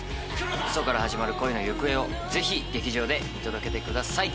ウソから始まる恋の行方をぜひ劇場で見届けてください